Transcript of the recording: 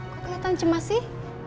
kok keliatan cemas sih